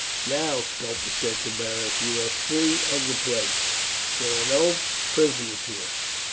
"Now," Scopus said to Beric, "you are free of the place; there are no prisoners here.